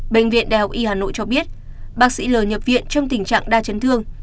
bệnh viện đại học y hà nội cho biết bác sĩ l viện trong tình trạng đa chấn thương